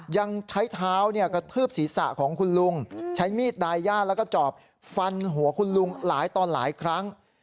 ยังใช้เท้ากระทืบศีรษะของคุณลุงใช้มีดดายย่าแล้วก็จอบฟันหัวคุณลุงหลายต่อหลายครั้ง